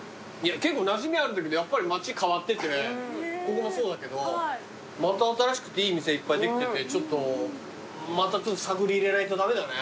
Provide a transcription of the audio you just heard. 結構なじみあるんだけどやっぱり街変わっててここもそうだけどまた新しくていい店いっぱいできててちょっとまた探り入れないと駄目だね。